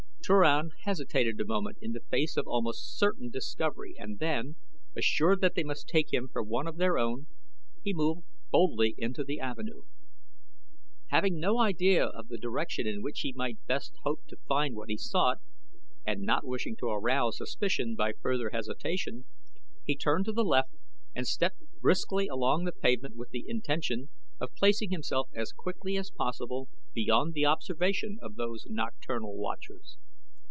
Turan hesitated a moment in the face of almost certain discovery and then, assured that they must take him for one of their own people, he moved boldly into the avenue. Having no idea of the direction in which he might best hope to find what he sought, and not wishing to arouse suspicion by further hesitation, he turned to the left and stepped briskly along the pavement with the intention of placing himself as quickly as possible beyond the observation of those nocturnal watchers.